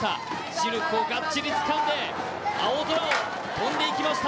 シルクをがっちりつかんで、青空を飛んでいきました。